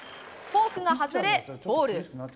フォークが外れ、ボール。